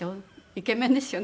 イケメンですよね。